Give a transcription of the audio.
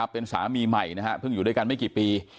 เป็นสามีใหม่นะฮะเพิ่งอยู่ด้วยกันไม่กี่ปี